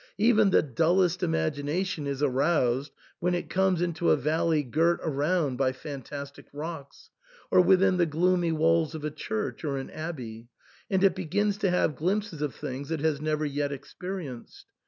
Even the dullest imagination is aroused when it comes into a valley girt around by fantastic rocks, or within the gloomy walls of a church or an abbey, and it begins to have glimpses of things it has never yet experienced.